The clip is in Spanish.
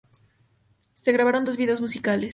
Se grabaron dos videos musicales.